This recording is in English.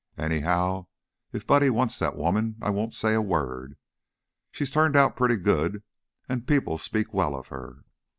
Anyhow, if Buddy wants that woman, I won't say a word. She's turned out pretty good, an' people speak well of her.